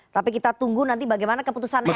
tapi kita tunggu nanti bagaimana keputusan elit